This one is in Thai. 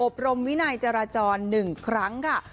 รมวินัยจราจร๑ครั้งค่ะ